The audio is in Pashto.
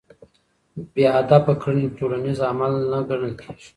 بې هدفه کړنې ټولنیز عمل نه ګڼل کېږي.